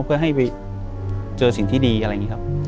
อยู่ที่แม่ศรีวิรัยิลครับ